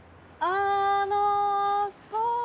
あのそう。